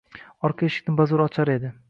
Orqa eshikni bazo‘r ochar edi.